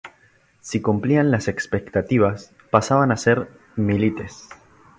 Si cumplían las expectativas, pasaban a ser "milites".